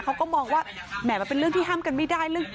เขาก็มองว่าแหมมันเป็นเรื่องที่ห้ามกันไม่ได้เรื่อง